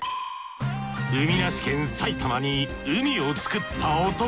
海なし県埼玉に海を作った男。